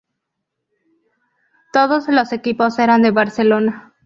Todos los equipos eran de Barcelona.